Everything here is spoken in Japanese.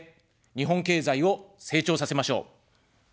日本経済を成長させましょう。